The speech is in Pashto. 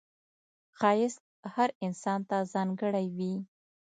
ښایست هر انسان ته ځانګړی وي